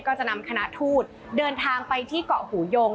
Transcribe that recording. ก็จะนำคณะทูตเดินทางไปที่เกาะหูยง